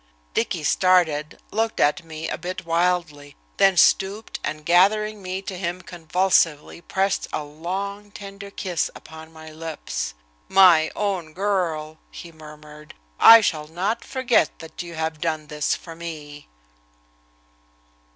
Dicky started, looked at me a bit wildly, then stooped, and, gathering me to him convulsively, pressed a long, tender kiss upon my lips. "My own girl!" he murmured. "I shall not forget that you have done this for me!"